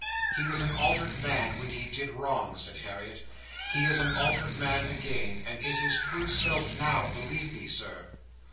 "He was an altered man when he did wrong," said Harriet. "He is an altered man again, and is his true self now, believe me, Sir."